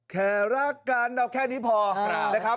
แค่รักกันเอาแค่นี้พอนะครับ